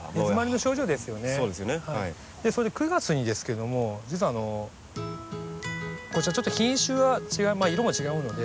それで９月にですけども実はあのこちらちょっと品種は違う色も違うので。